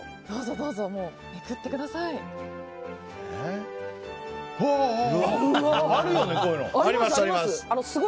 どうぞ他のもめくってください。